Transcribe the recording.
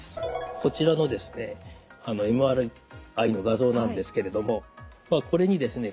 こちらのですねＭＲＩの画像なんですけれどもこれにですね